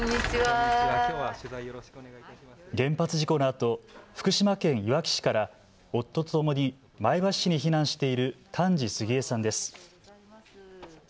原発事故のあと福島県いわき市から夫とともに前橋市に避難している丹治杉江さんです。